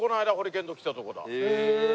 へえ。